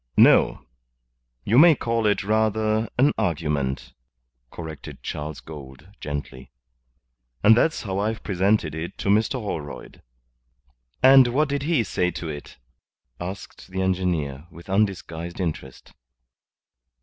"No. You may call it rather an argument," corrected Charles Gould, gently. "And that's how I've presented it to Mr. Holroyd." "And what did he say to it?" asked the engineer, with undisguised interest.